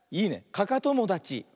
かかともだち。